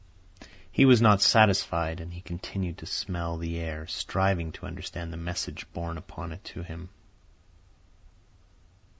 He was not satisfied, and he continued to smell the air, striving to understand the message borne upon it to him.